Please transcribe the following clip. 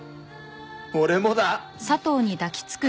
俺もだ！